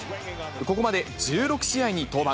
ここまで１６試合に登板。